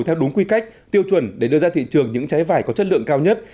theo đúng quy cách tiêu chuẩn để đưa ra thị trường những trái vải có chất lượng cao nhất